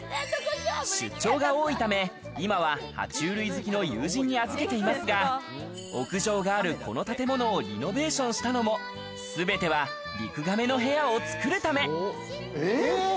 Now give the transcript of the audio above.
出張が多いため、今は爬虫類好きの友人に預けていますが、屋上があるこの建物をリノベーションしたのも、全てはリクガメの部屋を作るため。